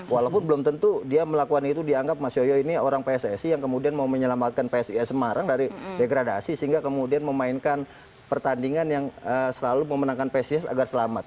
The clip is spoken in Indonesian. walaupun belum tentu dia melakukan itu dianggap mas yoyo ini orang pssi yang kemudian mau menyelamatkan psis semarang dari degradasi sehingga kemudian memainkan pertandingan yang selalu memenangkan psis agar selamat